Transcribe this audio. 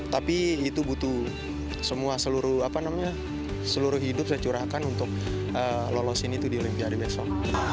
tapi itu butuh seluruh hidup saya curahkan untuk lolosin itu di olimpiade besok